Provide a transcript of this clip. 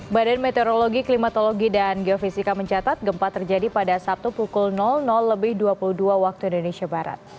badan meteorologi klimatologi dan geofisika mencatat gempa terjadi pada sabtu pukul dua puluh dua wib